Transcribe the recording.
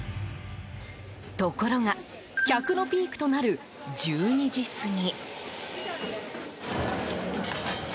ところが客のピークとなる１２時過ぎ。